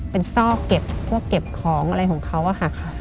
เป็นซอกเก็บพวกเก็บของอะไรของเขาอะค่ะ